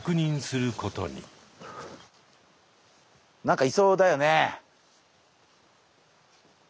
何かいそうだよね。